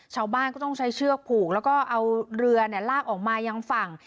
ชาวบ้านก็ต้องใช้เชือกผูกแล้วก็เอาเรือลากออกมายังฝั่ง